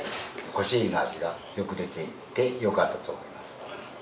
干しえびの味がよく出ていてよかったと思います。